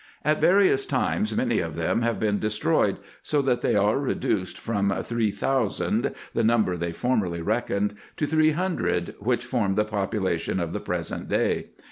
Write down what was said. At various times many of them have been IN EGYPT, NUBIA, &c 159 destroyed, so that they are redviced from three thousand, the number they formerly reckoned, to three hundred, which form the population of the present day.